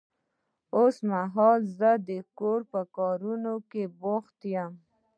اوس مهال زه د کور په کارونه کې بوخت يم.